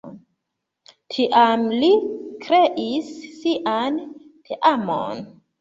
Tiam li kreis sian teamon.